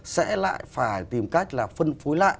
sẽ lại phải tìm cách là phân phối lại